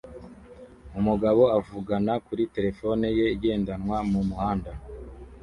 Umugabo avugana kuri terefone ye igendanwa mu muhanda